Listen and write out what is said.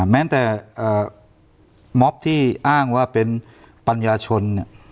แม้แต่ม็อบที่อ้างว่าเป็นปัญญาชน